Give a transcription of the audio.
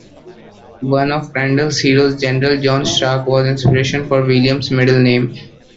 One of Crandall's heroes, General John Stark, was the inspiration for William's middle name.